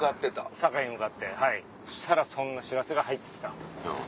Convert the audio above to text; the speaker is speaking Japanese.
堺に向かってはいそしたらそんな知らせが入って来た。